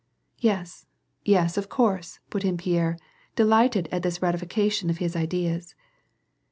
" Yes, yes, of course," put in Pierre, delighted at this rati fication of his ideas.